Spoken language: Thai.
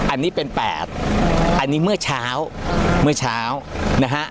อันนี้เป็น๘อันนี้เมื่อเช้าเมื่อเช้านะฮะ